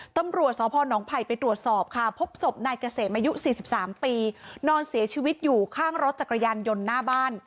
ตำรวจสพนไผ่ไปตรวจสอบค่ะพบศพนายเกษมอายุ๔๓ปีนอนเสียชีวิตอยู่ข้างรถจักรยานยนต์หน้าบ้าน